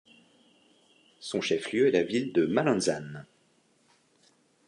Son chef-lieu est la ville de Malanzán.